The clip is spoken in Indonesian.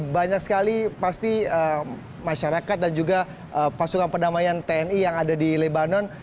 banyak sekali pasti masyarakat dan juga pasukan perdamaian tni yang ada di lebanon